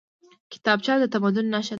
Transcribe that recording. کتابچه د تمدن نښه ده